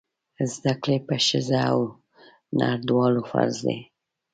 زده کړې په ښځه او نر دواړو فرض دی!